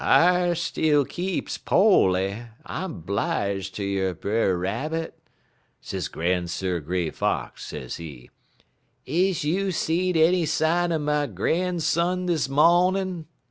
"'I still keeps po'ly, I'm 'blije ter you, Brer Rabbit,' sez Gran'sir' Gray Fox, sezee. 'Is you seed any sign er my gran'son dis mawnin'?'